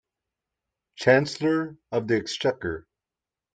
Chancellor of the Exchequer